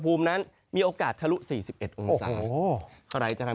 วันสิบสาม